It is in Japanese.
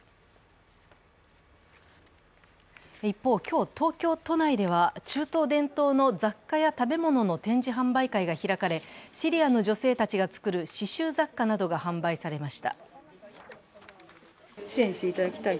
一方、今日、東京都内では、中東伝統の雑貨や食べ物の展示販売会が開かれシリアの女性たちが作る刺しゅう雑貨などが販売されました。